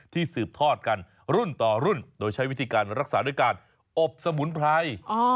สืบทอดกันรุ่นต่อรุ่นโดยใช้วิธีการรักษาด้วยการอบสมุนไพร